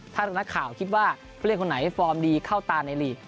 ถ้านักข่าวคิดว่าผู้เล่นคนไหนฟอร์มดีเข้าตาในลีก